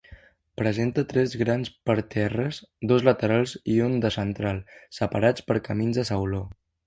Presenta tres grans parterres, dos laterals i un de central, separats per camins de sauló.